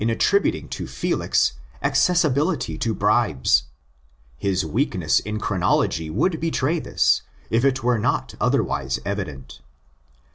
attributing to Felix accessibility to bribes. His PAUL ACCORDING TO ACTS 95 weakness in chronology would betray this if it were not otherwise evident.